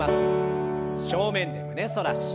正面で胸反らし。